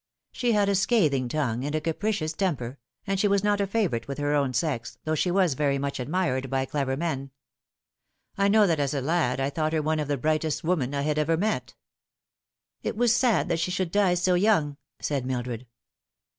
She had a scathing tongue and a capricious temper, and she was not a favourite with her own sex. though she was very much admired by clever men. I know that as a lad I thought her one of the brightest women I had ever met." " It was sad that she should die so young," said Mildred.